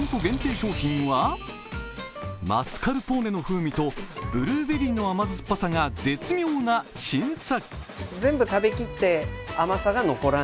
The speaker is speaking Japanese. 商品はマスカルポーネの風味と、ブルーベリーの甘酸っぱさが絶妙な新作。